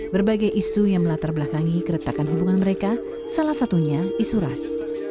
berbagai isu yang melatar belakangi keretakan hubungan mereka salah satunya isu ras